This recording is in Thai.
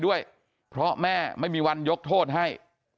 ด้วยเพราะแม่ไม่มีวันยกโทษให้